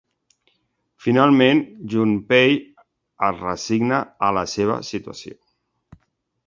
Finalment, Junpei es resigna a la seva situació.